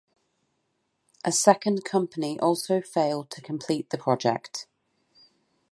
A second company also failed to complete the project.